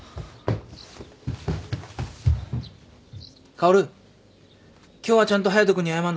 薫今日はちゃんと隼人君に謝んだぞ。